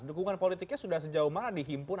dukungan politiknya sudah sejauh mana dihimpun